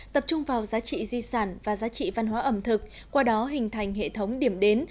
tập trung vào giá trị di sản và giá trị văn hóa ẩm thực qua đó hình thành hệ thống điểm đến